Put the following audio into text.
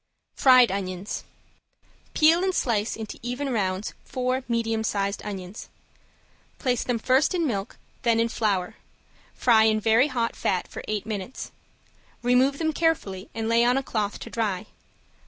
~FRIED ONIONS~ Peel and slice into even rounds four medium sized onions. Place them first in milk then in flour, fry in very hot fat for eight minutes. Remove them carefully and lay on a cloth to dry.